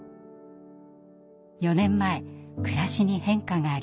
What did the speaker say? ４年前暮らしに変化がありました。